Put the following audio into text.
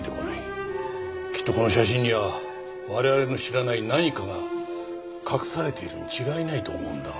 きっとこの写真には我々の知らない何かが隠されているに違いないと思うんだが。